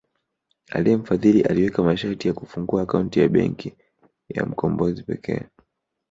Aliyemfadhili aliweka masharti ya kufungua akaunti Benki ya Mkombozi pekee